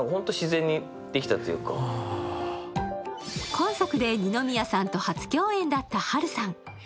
今作で二宮さんと初共演だった波瑠さん。